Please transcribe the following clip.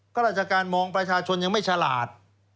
ราชการมองประชาชนยังไม่ฉลาด